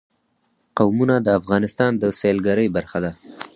قومونه د افغانستان د سیلګرۍ برخه ده.